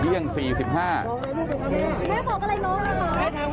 เพื่อนบ้านเจ้าหน้าที่อำรวจกู้ภัย